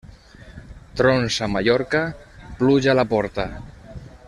Trons a Mallorca, pluja a la porta.